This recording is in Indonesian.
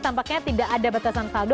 tampaknya tidak ada batasan saldo